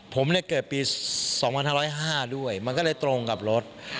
ผมเกิดปี๒๕๐๕ด้วยมันก็เลยตรงกับรถ